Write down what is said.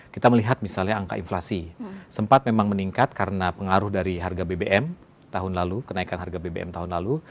kita melihat misalnya angka inflasi sempat memang meningkat karena pengaruh dari harga bbm tahun lalu kenaikan harga bbm tahun lalu